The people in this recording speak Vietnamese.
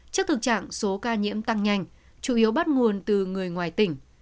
trước thực trạng số ca nhiễm tăng nhanh chủ yếu bắt nguồn từ người ngoài tỉnh